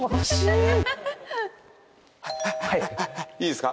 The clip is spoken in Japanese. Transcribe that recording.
いいですか？